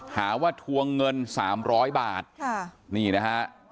หาว่าทวงเงิน๓๐๐บาทค่ะนี่นะฮะ